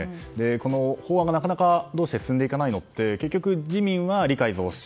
この法案がなかなか進んでいかないのって結局、自民は理解増進。